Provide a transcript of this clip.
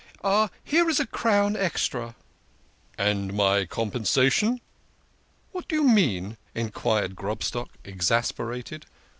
" Here is a crown extra !"" And my compensation?" "What do you mean? " enquired Grobstock, exasperated.